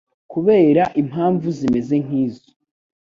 Kubera impamvu zimeze nk'izo,